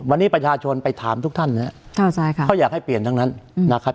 วันนี้ประชาชนไปถามทุกท่านนะครับเขาอยากให้เปลี่ยนทั้งนั้นนะครับ